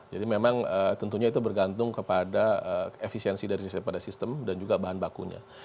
jadi memang tentunya itu bergantung kepada efisiensi dari sistem pada sistem dan juga bahan bakunya